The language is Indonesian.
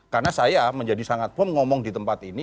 karena saya menjadi sangat bom ngomong di tempat ini